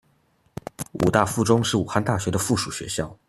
武大附中是武汉大学的附属学校。